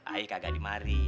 aye kagak dimari